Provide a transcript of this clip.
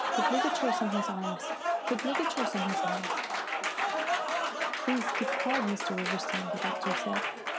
Put ligatures on his arms. Put ligatures on his arms." "Please keep quiet, Mr. Riverston," the doctor said.